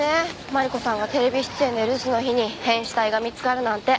マリコさんがテレビ出演で留守の日に変死体が見つかるなんて。